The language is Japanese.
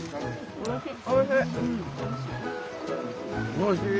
・おいしい。